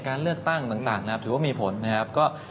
การเลือกตั้งต่างนะครับถือว่ามีผลนะครับ